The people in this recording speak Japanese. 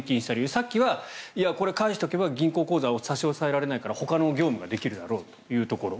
さっきはいやこれ、返しておけば銀行口座を差し押さえられないからほかの業務ができるだろうというところ。